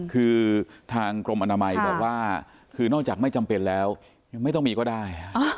คือทางกรมอนามัยบอกว่าคือนอกจากไม่จำเป็นแล้วยังไม่ต้องมีก็ได้